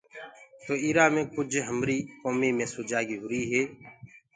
تو اِرآ مي ڪُج هميريٚ ڪومي مي سُجاڳي هُري هي۔